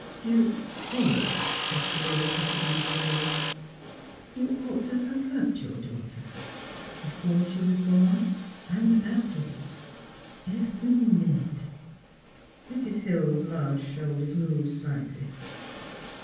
" You ought," said Philura Pettibone, slowly, '^ to have loved your daughter, before she was born ; and afterwards — every minute !'' Mrs. Hill's large shoulders moved slightly.